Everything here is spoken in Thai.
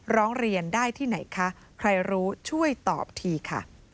ร้องเรียนได้ที่ไหนคะใครรู้ช่วยตอบทีค่ะ